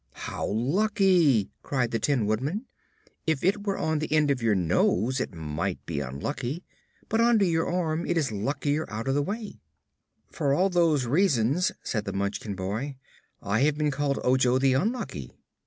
"How lucky!" cried the Tin Woodman. "If it were on the end of your nose it might be unlucky, but under your arm it is luckily out of the way." "For all those reasons," said the Munchkin boy, "I have been called Ojo the Unlucky."